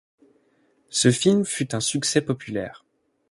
Ce film fut un succès populaire.